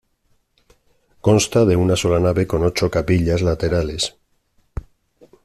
Consta de una sola nave con ocho capillas laterales.